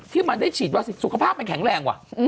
ที่มันได้ฉีดวัคซีนสุขภาพมันแข็งแรงว่ะ